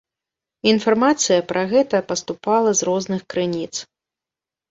Інфармацыя пра гэта паступала з розных крыніц.